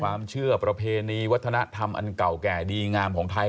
ความเชื่อประเพณีวัฒนธรรมอันอันเก่าแก่ดีงามของไทย